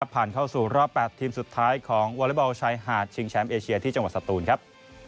ผ่านเข้าสู่รอบ๘ทีมสุดท้ายของวอเล็กบอลชายหาดชิงแชมป์เอเชียที่จังหวัดสตูนครับ